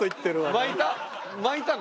巻いたの？